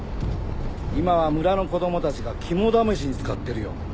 今は村の子供たちが肝試しに使ってるよ。